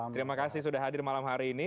terima kasih sudah hadir malam hari ini